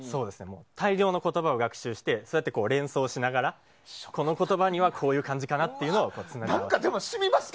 大量の言葉を学習して連想しながらこの言葉には、こういう感じかなというのをつなぎ合わせます。